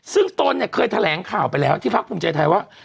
ซึ่งตนเนี่ยเคยแถลงข่าวไปแล้วที่พักภูมิใจไทยว่า